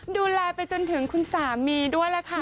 ดูแลไปจนถึงคุณสามีด้วยล่ะค่ะ